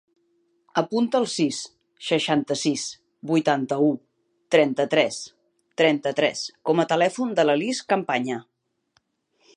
Apunta el sis, seixanta-sis, vuitanta-u, trenta-tres, trenta-tres com a telèfon de la Lis Campaña.